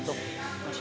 saya nggak ada ketentuan